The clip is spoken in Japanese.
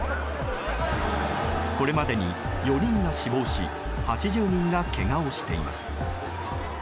これまでに４人が死亡し８０人がけがをしています。